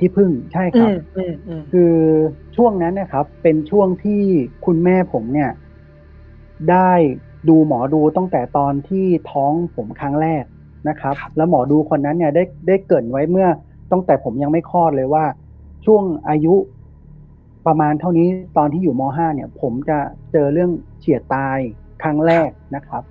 ที่พึ่งใช่ครับคือช่วงนั้นนะครับเป็นช่วงที่คุณแม่ผมเนี่ยได้ดูหมอดูตั้งแต่ตอนที่ท้องผมครั้งแรกนะครับแล้วหมอดูคนนั้นเนี่ยได้เกิดไว้เมื่อตั้งแต่ผมยังไม่คลอดเลยว่าช่วงอายุประมาณเท่านี้ตอนที่อยู่ม๕เนี่ยผมจะเจอเรื่องเฉียดตายครั้งแรกนะครับ